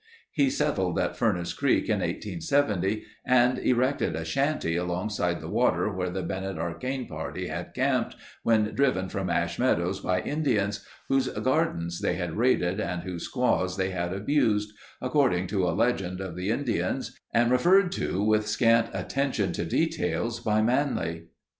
He settled at Furnace Creek in 1870 and erected a shanty alongside the water where the Bennett Arcane party had camped when driven from Ash Meadows by Indians whose gardens they had raided and whose squaws they had abused, according to a legend of the Indians and referred to with scant attention to details, by Manly.